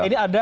oke ini ada